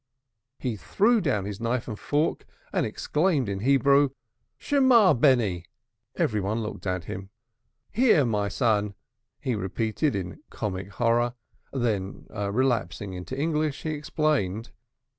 He threw down his knife and fork and exclaimed in Hebrew. "Shemah beni!" Every one looked at him. "Hear, my son!" he repeated in comic horror. Then relapsing into English, he explained.